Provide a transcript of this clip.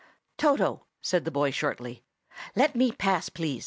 "Toto," said the boy shortly. "Let me pass, please.